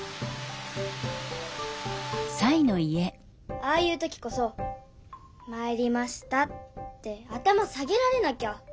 ああいう時こそ「まいりました」って頭下げられなきゃ。